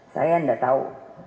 saya tidak tahu